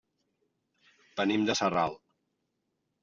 Venim de Sarral.